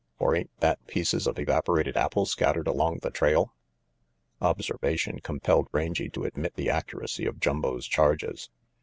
For ain't that pieces of evaporated apple scattered along the trail?" Observation compelled Rangy to admit the accu racy of Jumbo's charges.